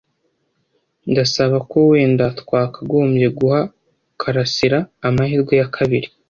Ndasaba ko wenda twakagombye guha Karasiraamahirwe ya kabiri.